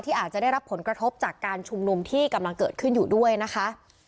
อาจจะได้รับผลกระทบจากการชุมนุมที่กำลังเกิดขึ้นอยู่ด้วยนะคะ